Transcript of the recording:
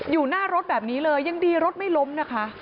อยู่หน้ารถแบบนี้เลยยังดีรถไม่ล้มนะคะ